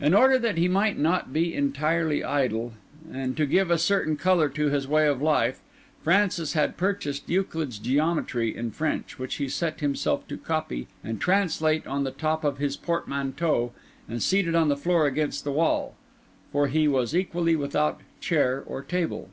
In order that he might not be entirely idle, and to give a certain colour to his way of life, Francis had purchased Euclid's Geometry in French, which he set himself to copy and translate on the top of his portmanteau and seated on the floor against the wall; for he was equally without chair or table.